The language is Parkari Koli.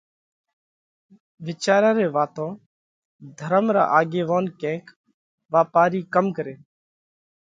وِيچاريا ري واتون ڌرم را آڳيوونَ ڪينڪ واپارِي ڪم ڪرينَ